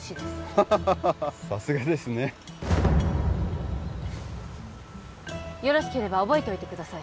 ハハハハさすがですねよろしければ覚えておいてください